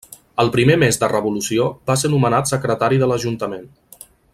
El primer mes de revolució va ser nomenat secretari de l'ajuntament.